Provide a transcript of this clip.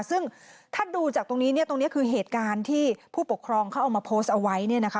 ซึ่งถ้าดูจากตรงนี้เนี่ยตรงนี้คือเหตุการณ์ที่ผู้ปกครองเขาเอามาโพสต์เอาไว้เนี่ยนะคะ